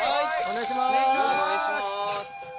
お願いします！